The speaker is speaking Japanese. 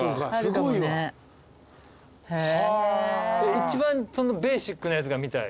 一番ベーシックなやつが見たい。